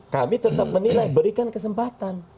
kami tetap menilai berikan kesempatan